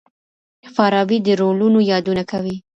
فارابي د رولونو يادونه کوي.